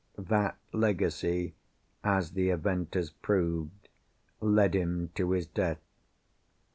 That legacy (as the event has proved) led him to his death.